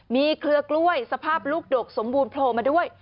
มีเครือกล้วยสภาพลูกดกสมบูรณโผล่มาด้วย